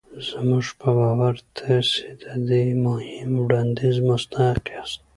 زموږ په باور تاسې د دې مهم وړانديز مستحق ياست.